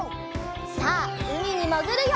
さあうみにもぐるよ！